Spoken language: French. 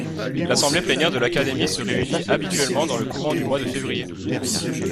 L'assemblée plénière de l'Académie se réunit habituellement dans le courant du mois de février.